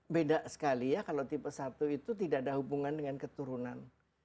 beda sekali ya kalau tipe satu itu tidak ada hubungan dengan keturunan